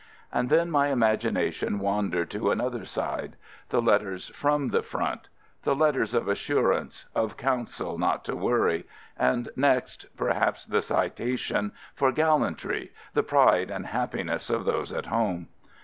And then my imagination wandered to another side: — The letters from the front — the letters of assurance — of counsel not to worry — and next, per haps, the citation — for gallantry — the pride and happiness of those at home.